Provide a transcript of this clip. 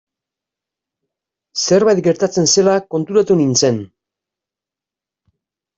Zerbait gertatzen zela konturatu nintzen.